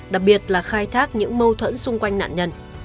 đặc biệt là khai thác những mâu thuẫn xung quanh nạn nhân